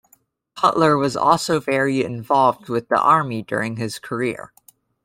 Cutler was also very involved with the Army during his career.